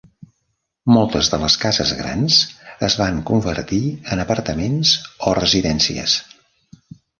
Moltes de les cases grans es van convertir en apartaments o residències.